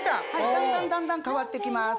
だんだんだんだん変わってきます。